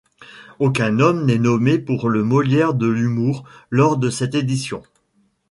Aucun homme n'est nommé pour le Molière de l'humour lors de cette édition.